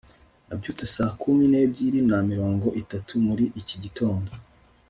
nabyutse saa kumi n'ebyiri na mirongo itatu muri iki gitondo